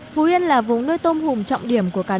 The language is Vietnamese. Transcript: phú yên là vùng nuôi tôm hùm trọng điểm của cá nhân